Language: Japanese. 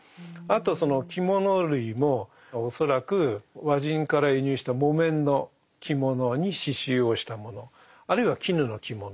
あとその着物類も恐らく和人から輸入した木綿の着物に刺しゅうをしたものあるいは絹の着物